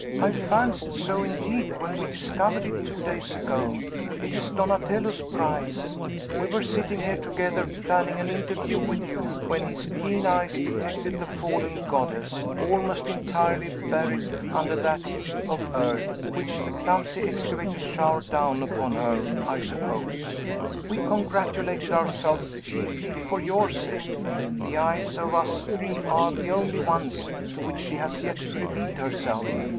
"I fancied so, indeed, when we discovered it two days ago. It is Donatello's prize. We were sitting here together, planning an interview with you, when his keen eyes detected the fallen goddess, almost entirely buried under that heap of earth, which the clumsy excavators showered down upon her, I suppose. We congratulated ourselves, chiefly for your sake. The eyes of us three are the only ones to which she has yet revealed herself.